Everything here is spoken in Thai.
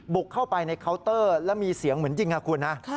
บุกเข้าไปในเคาน์เตอร์แล้วมีเสียงเหมือนยิงนะคุณนะ